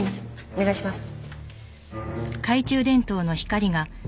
お願いします。